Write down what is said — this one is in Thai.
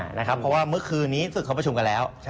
เพราะว่าเมื่อคืนนี้ศึกเขาประชุมกันแล้ว